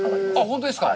本当ですか？